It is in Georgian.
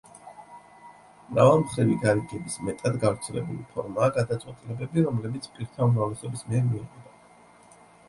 მრავალმხრივი გარიგების მეტად გავრცელებული ფორმაა გადაწყვეტილებები, რომლებიც პირთა უმრავლესობის მიერ მიიღება.